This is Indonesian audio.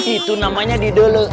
itu namanya dideluk